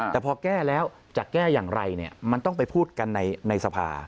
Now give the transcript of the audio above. แต่พอแก้แล้วจะแก้อย่างไรเนี่ยมันต้องไปพูดกันในสภา